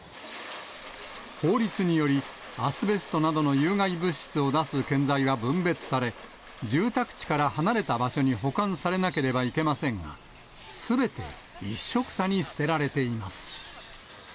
法律により、アスベストなどの有害物質を出す建材が分別され、住宅地から離れた場所に保管されなければいけませんが、すべて、いっしょくたに捨てられています。